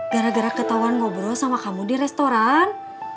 gara gara ketahuan ngobrol sama kamu di restoran